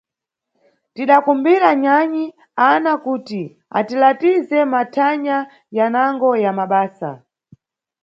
Tidakumbira nyanyi Ana kuti atilatize mathanya yanango ya mabasa.